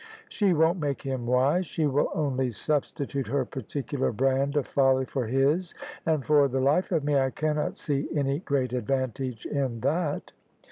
She won't make him wise; she will only substitute her particular brand of folly for his: and for the life of me I cannot see any great advantage in that.